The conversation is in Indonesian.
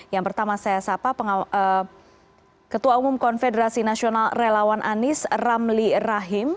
yang pertama saya sapa ketua umum konfederasi nasional relawan anies ramli rahim